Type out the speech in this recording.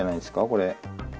これ。